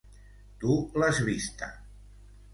Tu l'has vista.